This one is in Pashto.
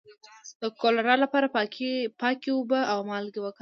د کولرا لپاره پاکې اوبه او مالګه وکاروئ